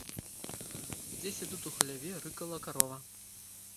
Дзесьці тут у хляве рыкала карова.